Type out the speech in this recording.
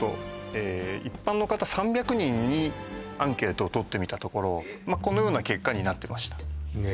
一般の方３００人にアンケートをとってみたところこのような結果になってましたね